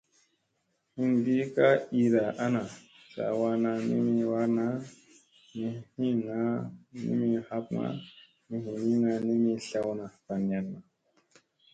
Hingi ka iiɗa ana, saa wanna ni mi waarna ni niŋga ni mi hapma mi hiniŋga ni mi tlawna ɓanayanna.